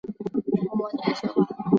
触摸你的秀发